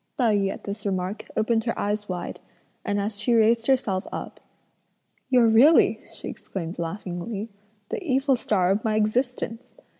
Tai yü at this remark opened her eyes wide, and as she raised herself up: "You're really," she exclaimed laughingly, "the evil star of my existence!